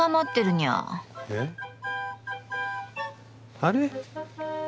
あれ？